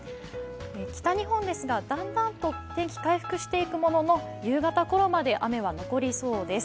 北日本ですが、だんだんと天気、回復していくものの夕方ころまで雨は残りそうです。